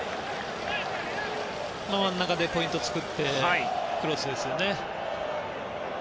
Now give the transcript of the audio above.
真ん中でポイントを作ってクロスですよね。